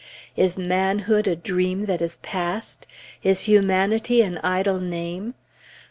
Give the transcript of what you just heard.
Is manhood a dream that is past? Is humanity an idle name?